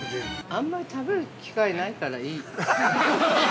◆あんまり食べる機会がないからいい。